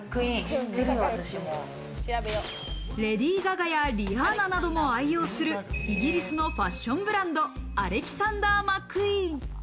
レディー・ガガやリアーナなども愛用するイギリスのファッションブランド、アレキサンダー・マックイーン。